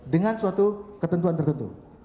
dengan suatu ketentuan tertentu